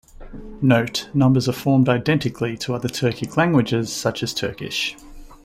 Note: Numbers are formed identically to other Turkic languages, such as Turkish.